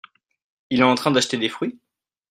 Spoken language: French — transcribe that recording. Il est en train d'acheter des fruits ?